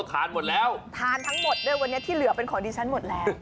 ทานจริงไม่เชื่อไม่ได้ชิม